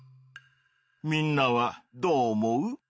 みんなはどう思う？